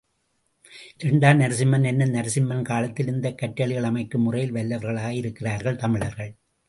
இரண்டாம் நரசிம்மவர்மன் என்னும் ராஜசிம்மன் காலத்தில் இந்தக் கற்றளிகள் அமைக்கும் முறையில் வல்லவர்களாக இருக்கிருக்கிறார்கள் தமிழர்கள்.